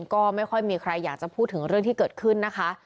ก็ไม่ค่อยมีใครอยากจะพูดถึงเรื่องที่เกิดขึ้นนะคะ